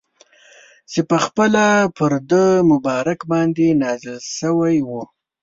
چي پخپله پر ده مبارک باندي نازل سوی وو.